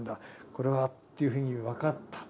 これはというふうに分かった。